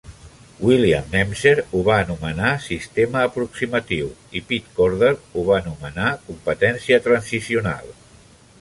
William Nemser ho va anomenar "sistema aproximatiu" i Pit Corder ho va anomenar "competència transicional".